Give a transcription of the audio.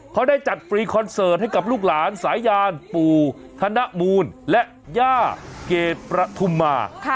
เขาได้จัดฟรีคอนเสิร์ตให้กับลูกหลานสายานปู่ธนมูลและย่าเกรดประทุมมา